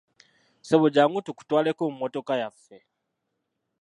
Ssebo jjangu tukutwaleko mu mmotoka yaffe.